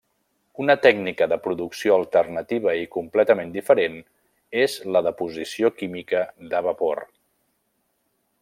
Una tècnica de producció alternativa i completament diferent és la deposició química de vapor.